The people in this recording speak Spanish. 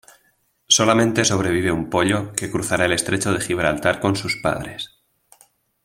Solamente sobrevive un pollo que cruzará el estrecho de Gibraltar con sus padres.